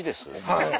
はい。